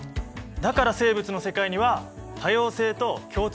だから生物の世界には多様性と共通性がある。